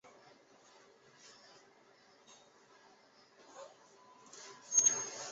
承元是日本的年号之一。